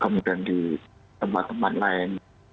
kemudian di tempat tempat lain